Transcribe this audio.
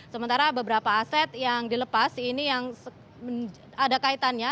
sementara beberapa aset yang dilepas ini yang ada kaitannya